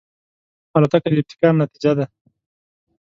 الوتکه د ابتکار نتیجه ده.